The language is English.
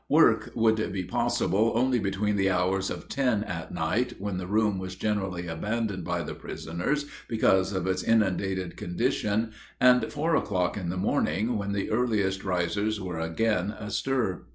Work could be possible only between the hours of ten at night, when the room was generally abandoned by the prisoners because of its inundated condition, and four o'clock in the morning, when the earliest risers were again astir.